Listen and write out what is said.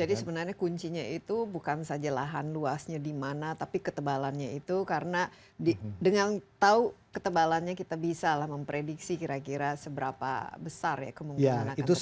sebenarnya kuncinya itu bukan saja lahan luasnya di mana tapi ketebalannya itu karena dengan tahu ketebalannya kita bisa lah memprediksi kira kira seberapa besar ya kemungkinan akan terjadi